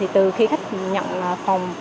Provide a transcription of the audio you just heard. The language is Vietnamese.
từ khi khách nhận phòng